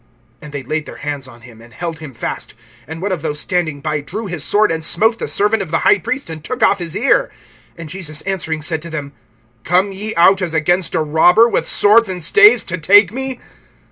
(46)And they laid their hands on him, and held him fast. (47)And one of those standing by drew his sword, and smote the servant of the high priest, and took off his ear. (48)And Jesus answering said to them: Came ye out, as against a robber, with swords and staves to take me?